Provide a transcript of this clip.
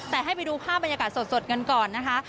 แต่ให้ไปดูภาพบรรยากาศสดกันก่อนนะคะ